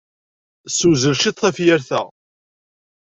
Ssewzel ciṭ tafyirt-a.